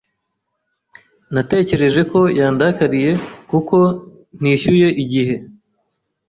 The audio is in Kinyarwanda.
Natekereje ko yandakariye kuko ntishyuye igihe.